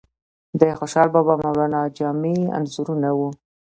د خوشحال بابا، مولانا جامی انځورونه وو.